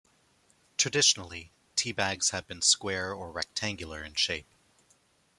Traditionally, tea bags have been square or rectangular in shape.